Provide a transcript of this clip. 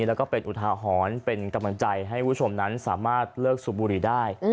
แล้วก็เป็นอุทาหรณ์เป็นกำลังใจให้ผู้ชมนั้นสามารถเลิกสูบบุรีได้